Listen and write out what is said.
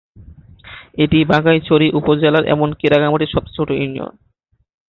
এটি বাঘাইছড়ি উপজেলার এমনকি রাঙ্গামাটি সবচেয়ে ছোট ইউনিয়ন।